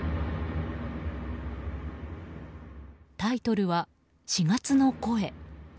タイトルは「四月の声」。